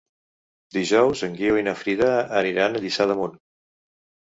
Dijous en Guiu i na Frida aniran a Lliçà d'Amunt.